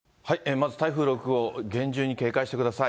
まず台風６号、厳重に警戒してください。